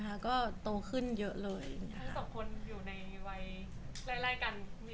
ทั้งสองคนอยู่ในวัยไล่กัน